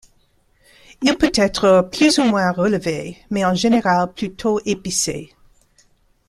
Il peut être plus ou moins relevé, mais en général plutôt épicé.